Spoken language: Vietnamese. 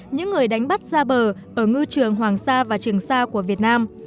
những người đánh bắt ra bờ ở ngư trường hoàng sa và trường sa của việt nam